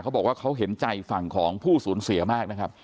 เขาบอกว่าเขาเห็นใจฝั่งของผู้สูญเสียมากนะครับ